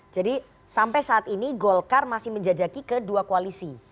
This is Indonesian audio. jadi sampai saat ini golkar masih menjajaki kedua koalisi